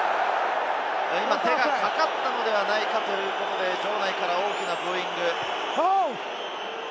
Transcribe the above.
手がかかったのではないかということで、場内からは大きなブーイング。